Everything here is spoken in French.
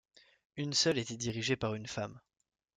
Une seule était dirigée par une femme.